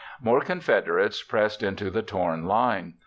_] More Confederates pressed into the torn line.